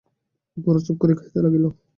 গোরা চুপ করিয়া খাইতে লাগিল।